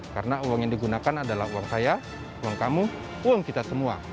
karena uang yang digunakan adalah uang saya uang kamu uang kita semua